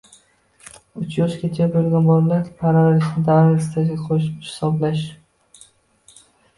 Uch yoshgacha bo‘lgan bolalarni parvarishlash davrini stajga qo‘shib hisoblash